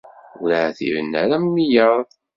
Ur ɛtiben ara am wiyaḍ.